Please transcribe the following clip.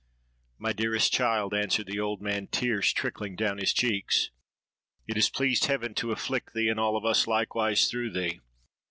'—'My dearest child,' answered the old man, tears trickling down his cheeks, 'it has pleased heaven to afflict thee, and all of us likewise through thee.